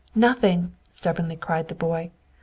"Nothing," stubbornly cried the boy.